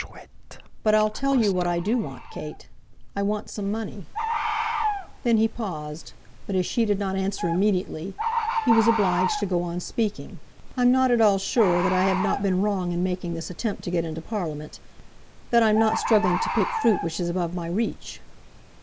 "But I'll tell you what I do want, Kate. I want some money." Then he paused, but as she did not answer immediately, he was obliged to go on speaking. "I'm not at all sure that I have not been wrong in making this attempt to get into Parliament, that I'm not struggling to pick fruit which is above my reach."